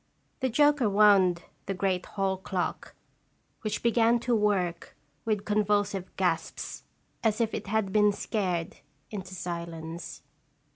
The joker wound the great hall clock, which began to work with convulsive gasps, as if it had been scared into silence.